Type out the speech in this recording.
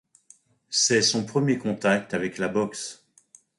C'est son premier contact avec la boxe.